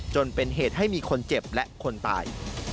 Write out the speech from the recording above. จนเป็นเหตุให้มีคนเจ็บและคนตาย